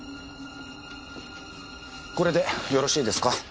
これでよろしいですか？